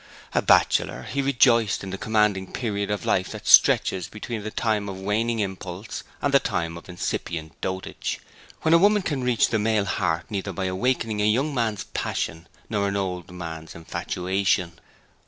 A bachelor, he rejoiced in the commanding period of life that stretches between the time of waning impulse and the time of incipient dotage, when a woman can reach the male heart neither by awakening a young man's passion nor an old man's infatuation.